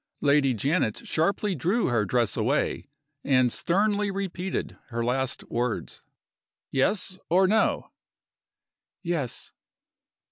Lady Janet sharply drew her dress away, and sternly repeated her last words. "Yes? or No?" "Yes."